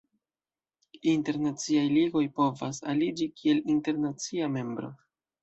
Internaciaj ligoj povas aliĝi kiel internacia membro.